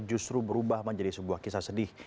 justru berubah menjadi sebuah kisah sedih